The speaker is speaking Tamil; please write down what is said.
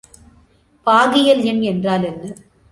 பாகியல் எண் என்றால் என்ன?